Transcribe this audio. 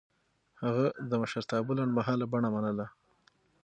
هغه د مشرتابه لنډمهاله بڼه منله.